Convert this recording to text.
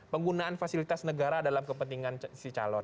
penggunaan fasilitas negara dalam kepentingan si calon